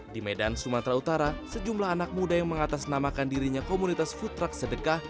di medan sumatera utara sejumlah anak muda yang mengatasnamakan dirinya komunitas food truck sedekah